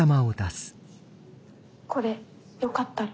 これよかったら。